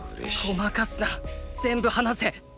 ごまかすな全部話せ！